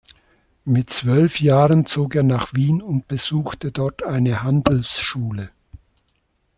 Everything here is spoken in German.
Mit zwölf Jahren zog er nach Wien und besuchte dort eine Handelsschule.